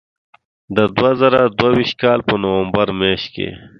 د دوه زره دوه ویشت کال په نومبر میاشت کې.